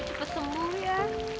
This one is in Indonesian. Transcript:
ibu cepet sembuh ya